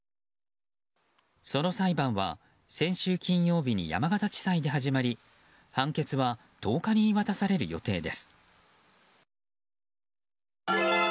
その裁判は、先週金曜日に山形地裁で始まり判決は１０日に言い渡される予定です。